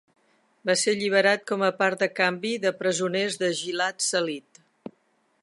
Va ser alliberat com a part de canvi de presoners de Gilad Shalit.